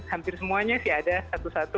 hampir semuanya sih ada satu satu